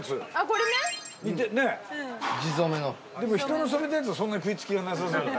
これね自染めのでも人の染めたやつはそんな食いつきがなさそうだね